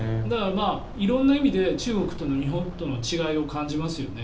色んな意味で中国と日本の違いを感じますよね。